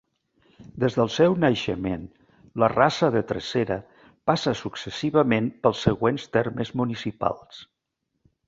Des del seu naixement, la Rasa de Tresserra passa successivament pels següents termes municipals.